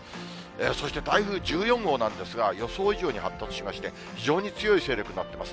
そして台風１４号なんですが、予想以上に発達しまして、非常に強い勢力になってます。